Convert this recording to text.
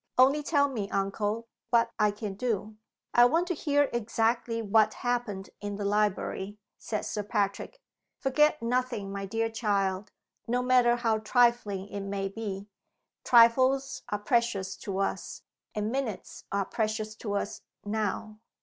"Only tell me, uncle, what I can do!" "I want to hear exactly what happened in the library," said Sir Patrick. "Forget nothing, my dear child, no matter how trifling it may be. Trifles are precious to us, and minutes are precious to us, now."